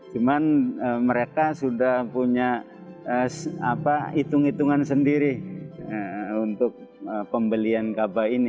cuman mereka sudah punya itung itungan sendiri untuk pembelian gabah ini